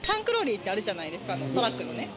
ってあるじゃないですかトラックのね。